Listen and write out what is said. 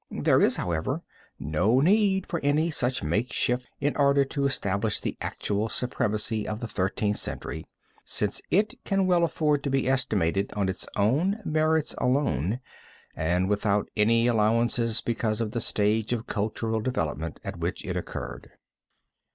There is, however, no need of any such makeshift in order to establish the actual supremacy of the Thirteenth Century, since it can well afford to be estimated on its own merits alone, and without any allowances because of the stage of cultural development at which it occurred.